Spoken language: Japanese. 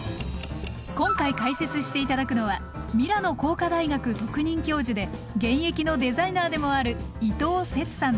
今回解説していただくのはミラノ工科大学特任教授で現役のデザイナーでもある伊藤節さんです。